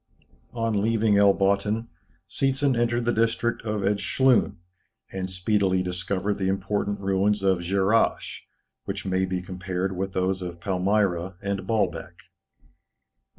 On leaving El Botthin, Seetzen entered the district of Edschlun, and speedily discovered the important ruins of Dscherrasch, which may be compared with those of Palmyra and Baalbek.